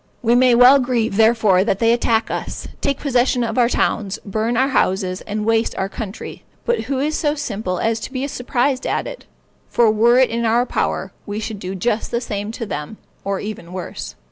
We may well grieve, therefore, that they attack us, take possession of our towns, burn our houses, and waste our country. But who is so simple as to be surprised at it? for were it in our power, we should do just the same to them, or even worse.